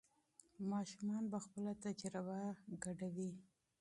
ماشومان به خپله تجربه شریکوي.